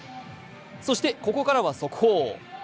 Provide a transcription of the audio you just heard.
そしてここからは速報。